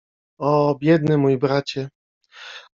— O, biedny mój bracie!